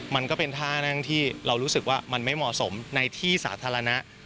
มันก็เป็นท่านั่งที่เรารู้สึกว่ามันไม่เหมาะสมในที่สาธารณะ